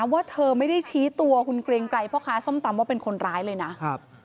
ว่าเธอไม่ได้ชี้ตัวคุณกลิ่นไกลเพราะส้มตำว่าเป็นคนร้ายเลยน่ะ